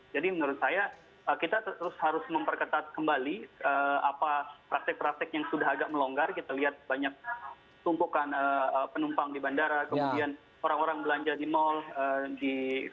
jadi menurut saya kita terus harus memperketat kembali apa praktik praktik yang sudah agak melonggar kita lihat banyak tumpukan penumpang di bandara kemudian orang orang belanja di mal kemudian di pasar